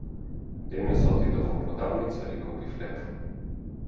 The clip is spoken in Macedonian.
Денес отидов во продавница и купив леб.